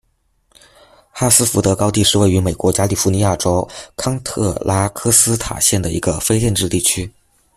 哈斯福德高地是位于美国加利福尼亚州康特拉科斯塔县的一个非建制地区。